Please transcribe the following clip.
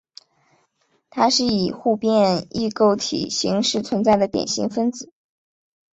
它是以互变异构体形式存在的典型分子。